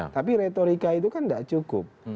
tapi retorika itu kan tidak cukup